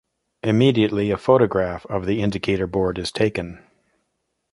Immediately a photograph of the Indicator Board is taken.